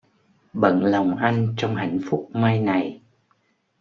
Bận lòng Anh trong hạnh phúc mai này.